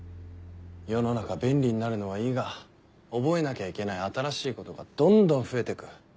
世の中便利になるのはいいが覚えなきゃいけない新しいことがどんどん増えてく。